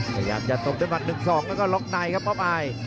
ยังยังจะตกทวนมัน๑๒แล้วก็ล๊อกไหนครับป๊อปอาย